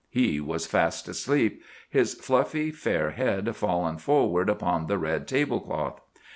He was fast asleep, his fluffy fair head fallen forward upon the red table cloth.